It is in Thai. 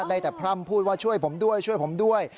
ได้แต่พร่ำพูดว่าช่วยผมด้วยช่วยผมด้วย